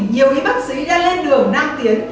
nhiều y bác sĩ đang lên đường nam tiến